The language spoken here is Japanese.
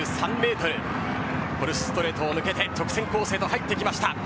フォルスストレートを抜けて直線コースへと入ってきました。